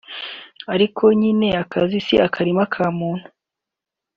ariko nyine akaze si akarima k’umuntu